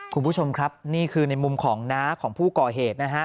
คุณผู้ชมครับนี่คือในมุมของน้าของผู้ก่อเหตุนะฮะ